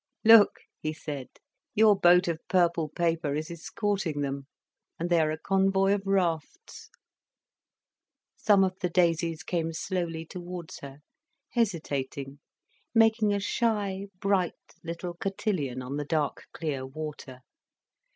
"Look," he said, "your boat of purple paper is escorting them, and they are a convoy of rafts." Some of the daisies came slowly towards her, hesitating, making a shy bright little cotillion on the dark clear water.